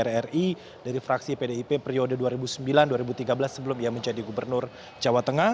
dpr ri dari fraksi pdip periode dua ribu sembilan dua ribu tiga belas sebelum ia menjadi gubernur jawa tengah